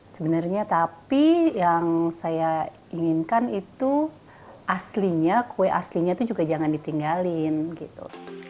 sebenarnya tapi yang saya inginkan itu aslinya kue aslinya itu juga jangan ditinggalin gitu